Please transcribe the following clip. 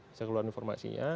bisa keluar informasinya